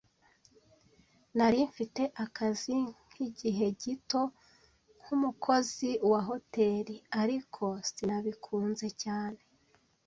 Nari mfite akazi k'igihe gito nk'umukozi wa hoteri, ariko sinabikunze cyane.